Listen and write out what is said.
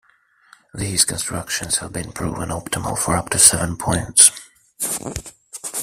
These constructions have been proven optimal for up to seven points.